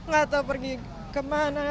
gak tau pergi kemana